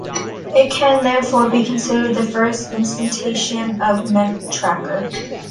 It can, therefore, be considered the first instantiation of a memetracker.